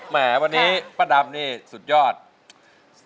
แหมวันนี้ป้าดำนี่สุดยอด